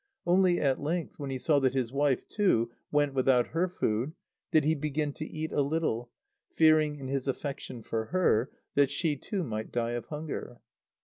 Only at length, when he saw that his wife, too, went without her food, did he begin to eat a little, fearing, in his affection for her, that she too might die of hunger.